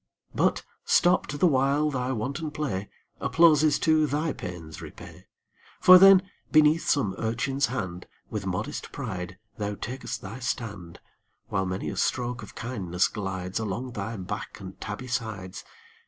But, stopped the while thy wanton play, Applauses too thy pains repay: For then, beneath some urchin's hand With modest pride thou takest thy stand, While many a stroke of kindness glides Along thy back and tabby sides.